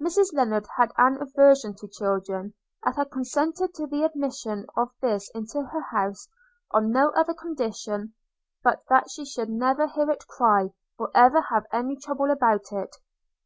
Mrs Rayland had an aversion to children, and had consented to the admission of this into her house, on no other condition, but that she should never hear it cry, or ever have any trouble about it.